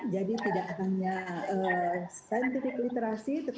jadi tidak hanya